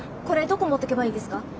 これどこ持っていけばいいですか？